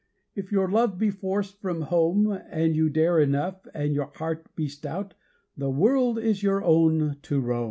If your love be forced from home, And you dare enough, and your heart be stout, The world is your own to roam.